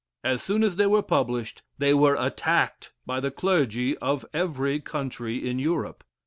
As soon as they were published, they were attacked by the clergy of every country in Europe.